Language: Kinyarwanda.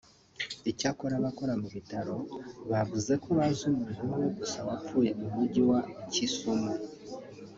Icyakora abakora mu bitaro bavuze ko bazi umuntu umwe gusa wapfuye mu Mujyi wa Kisumu